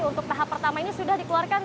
untuk tahap pertama ini sudah dikeluarkan